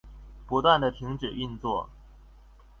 不斷的停止運作